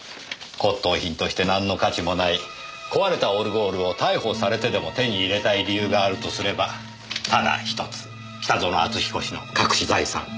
骨董品としてなんの価値もない壊れたオルゴールを逮捕されてでも手に入れたい理由があるとすればただ１つ北薗篤彦氏の隠し財産。